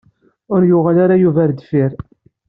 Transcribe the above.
Ur yuɣal ara Yuba ar deffir.